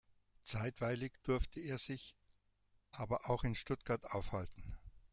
Zeitweilig durfte er sich aber auch in Stuttgart aufhalten.